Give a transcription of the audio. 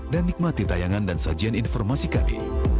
dan nikmati tayangan dan sajian informasi kami